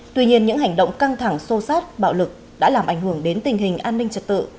tuy nhiên những hành động căng thẳng xô xát bạo lực đã làm ảnh hưởng đến tình hình an ninh trật tự